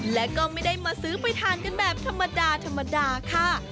และก็ไม่ได้มาซื้อไปทานกันแบบธรรมดาธรรมดาค่ะ